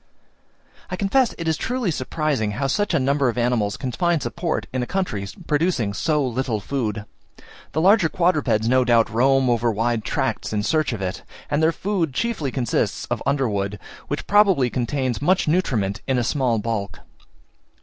I confess it is truly surprising how such a number of animals can find support in a country producing so little food. The larger quadrupeds no doubt roam over wide tracts in search of it; and their food chiefly consists of underwood, which probably contains much nutriment in a small bulk.